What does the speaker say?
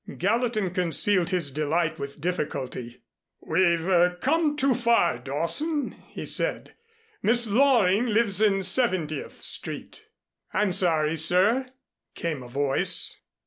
Gallatin concealed his delight with difficulty. "We've come too far, Dawson," he said. "Miss Loring lives in Seventieth Street." "I'm sorry, sir," came a voice.